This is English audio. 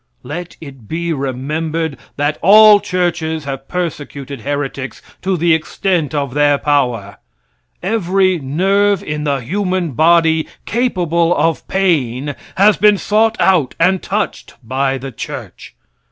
Let it be remembered that all churches have persecuted heretics to the extent of their power. Every nerve in the human body capable of pain has been sought out and touched by the church.